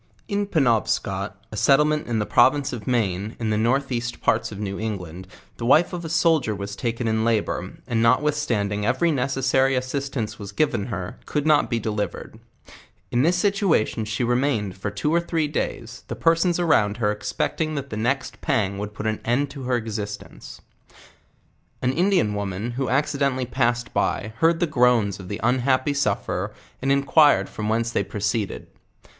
In PenobscoU a settlement in the province of Maine, in the north east parts of New England, the wife of a soldier was taken in labour, and notwithstanding every necessary as sistance was given her, could not be delivered. IK this (situ ation she remained for two or three days, the persons around her expecting that the next pang would put an end to her ex istence. LHWIS AND CLA.TCKE. An Indian \vornan, ' ^:1 by, heard the groans of the unhappy sufferer, and enquired from whence they proceeded.